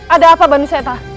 ada apa banuseta